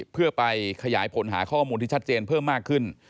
เพื่อไปขยายผลหาข้อมูลที่ชัดเจนเพิ่มมากขึ้น